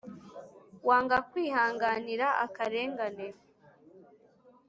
Wanga kwihanganira akarengane